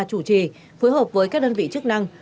chủ trì phối hợp với các đơn vị chức năng